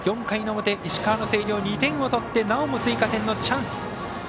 ４回の表、石川の星稜２点を取ってなおも追加点のチャンス。